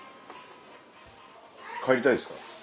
帰りたいですか？